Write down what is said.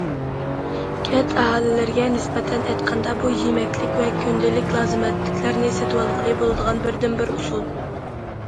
كەنت ئاھالىلىرىگە نىسبەتەن ئېيتقاندا، بۇ يېمەكلىك ۋە كۈندىلىك لازىمەتلىكلەرنى سېتىۋالغىلى بولىدىغان بىردىنبىر ئۇسۇل.